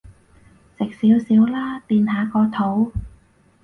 食少少啦，墊下個肚